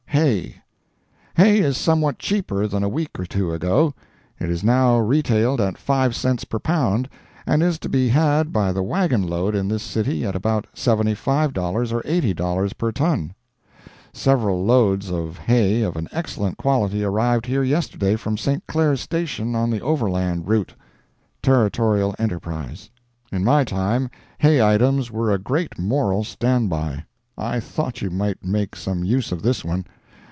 HAY. Hay is somewhat cheaper than a week or two ago. It is now retailed at five cents per pound and is to be had by the wagon load in this city at about $75 or $80 per ton. Several loads of hay of an excellent quality arrived here yesterday from St. Clair's Station on the Overland route.—Territorial Enterprise. In my time, hay items were a great moral stand by. I thought you might make some use of this one.